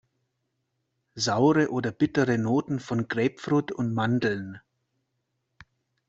Saure oder bittere Noten von Grapefruit und Mandeln.